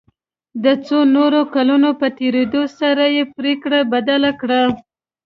د څو نورو کلونو په تېرېدو سره یې پريکړه بدله کړه.